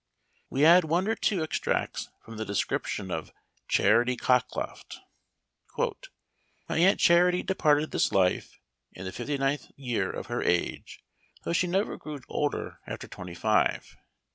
We add one or two extracts from the descrip tion of " Charity Cockloft :"" My Aunt Charity departed this life in th( fifty ninth year of her age, though she never grew older after twenty five.